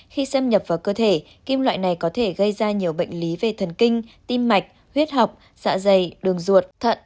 khi xâm nhập vào cơ thể kim loại này có thể gây ra nhiều bệnh lý về thần kinh tim mạch huyết học dạ dày đường ruột thận